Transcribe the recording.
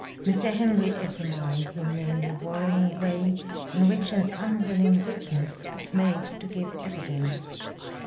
Mr. Henry examined him in the worrying way in which an unwilling witness is made to give evidence.